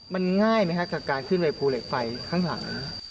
มันง่ายไหมครับกับการขึ้นไปภูเหล็กไฟข้างหลัง